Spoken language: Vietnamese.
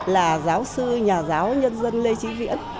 là giáo sư nhà giáo nhân dân lê trí viễn